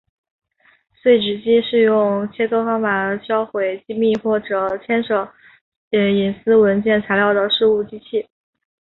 碎纸机是用切割方法销毁机密或者牵涉隐私文件材料的事务机器。